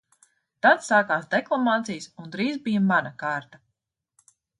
Tad sākās deklamācijas un drīz bija mana kārta.